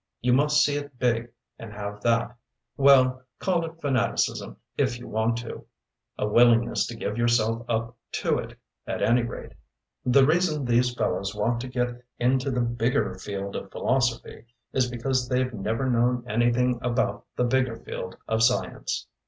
You must see it big, and have that well, call it fanaticism, if you want to a willingness to give yourself up to it, at any rate. The reason these fellows want to get into the 'bigger field of philosophy' is because they've never known anything about the bigger field of science."